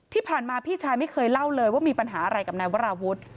ที่ผ่านมาพี่ชายไม่เคยเล่าเลยว่ามีปัญหาอะไรกับนายวราวุฒิ